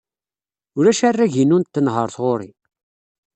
Ulac arrag-inu n tenhaṛt ɣer-i.